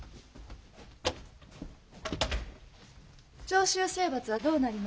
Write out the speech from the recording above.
長州征伐はどうなりました？